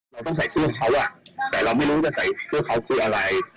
เราต้องใส่เสื้อเขาแต่เราไม่รู้ว่าใส่เสื้อเขาคืออะไร